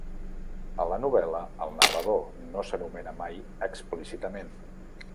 A la novel·la, el narrador no s'anomena mai explícitament.